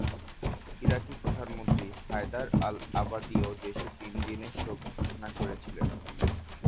ইরাকি প্রধানমন্ত্রী হায়দার আল-আবাদিও দেশে তিন দিনের শোক ঘোষণা করেছিলেন।